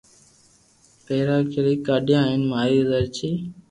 ڀيرا ڪري ڪاڌيا ھين ماري زرچي